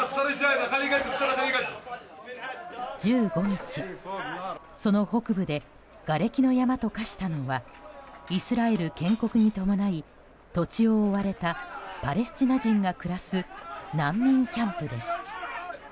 １５日、その北部でがれきの山と化したのはイスラエル建国に伴い土地を追われたパレスチナ人が暮らす難民キャンプです。